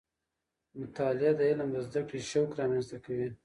مطالعه د علم د زده کړې شوق رامنځته کوي.